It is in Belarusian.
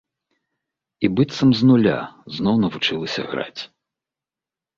І быццам з нуля зноў навучылася граць.